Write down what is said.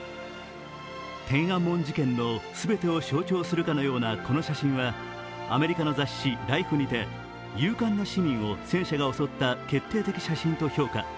天安門事件の全てを象徴するかのようなこの写真は、アメリカの雑誌「ライフ」にて勇敢な市民を戦車が襲った決定的写真と評価。